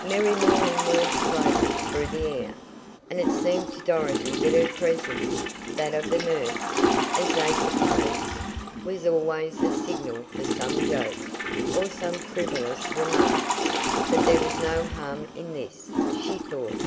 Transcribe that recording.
Merry morning words floated through the air, and it seemed to Dorothy that her presence, that of a nurse, as they supposed, was always the signal for some joke, or some frivolous remark. But there was no harm in this, she thought.